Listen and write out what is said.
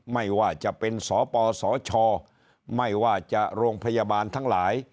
ไม่ว่าจะเป็นสปสชไม่ว่าจะโรงพยาบาลทั้งหลาย